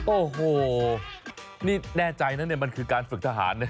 โอ้โหนี่แน่ใจนะเนี่ยมันคือการฝึกทหารนะ